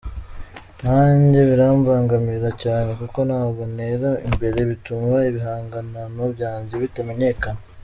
Nkanjye birambangamira cyane kuko ntabwo ntera imbere bituma ibihanganano byanjye bitamenyekana.